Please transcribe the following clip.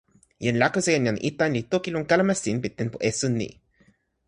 jan Lakuse en jan Itan li toki lon kalama sin pi tenpo esun ni.